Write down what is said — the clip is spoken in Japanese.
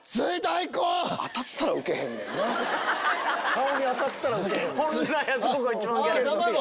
顔に当たったらウケへん。